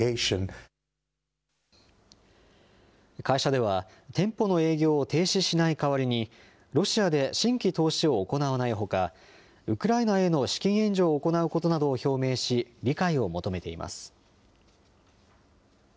会社では店舗の営業を停止しない代わりにロシアで新規投資を行わないほかウクライナへの資金援助を行うことなどを表明し理解を求めています。